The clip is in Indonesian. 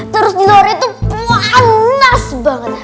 terus diluar itu panas banget